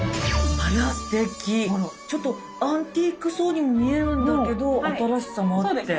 ちょっとアンティークそうにも見えるんだけど新しさもあって。